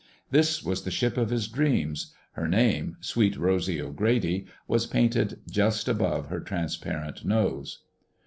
This was the ship of his dreams. Her name, Sweet Rosy O'Grady, was painted just above her transparent nose.